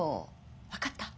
分かった？